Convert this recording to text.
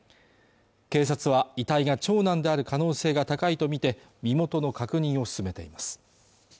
警察は遺体が長男である可能性が高いとみて身元の確認を進めています